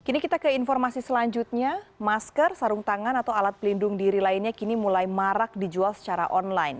kini kita ke informasi selanjutnya masker sarung tangan atau alat pelindung diri lainnya kini mulai marak dijual secara online